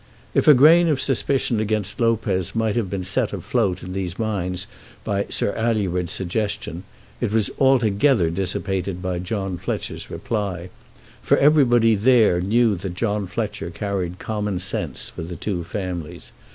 If a grain of suspicion against Lopez might have been set afloat in their minds by Sir Alured's suggestion, it was altogether dissipated by John Fletcher's reply; for everybody there knew that John Fletcher carried common sense for the two families.